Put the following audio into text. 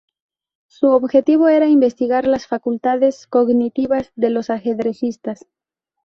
Su objetivo era investigar las facultades cognitivas de los ajedrecistas.